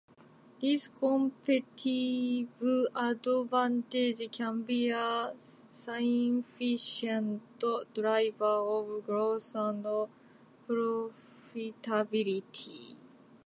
This competitive advantage can be a significant driver of growth and profitability.